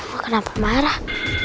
kok kenapa marah